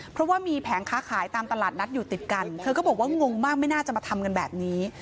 เพราะว่ามีแผงค้าขายตามตลาดนัดอยู่ติดกันเธอก็บอกว่างงมากไม่น่าจะมาทำกันแบบนี้